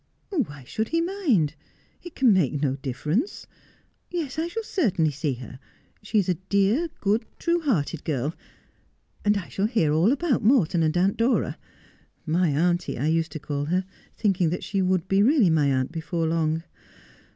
' Why should he mind 1 It can make no difference. Yes, I shall certainly see her. She is a dear, good, true hearted girl. And I shall hear all about Morton and Aunt Dora. My auntie, I used to call her ; thinking that she would be really my aunt before long.